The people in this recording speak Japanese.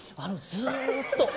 ずっと！